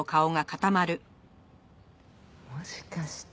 もしかして。